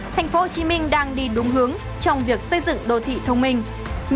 thành phố hồ chí minh đang đi đúng hướng trong việc xây dựng đô thị thông minh